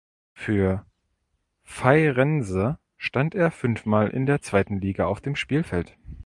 Für Feirense stand er fünfmal in der zweiten Liga auf dem Spielfeld.